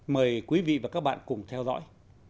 mời quý vị và các bạn cùng theo dõi